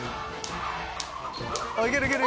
いけるいける！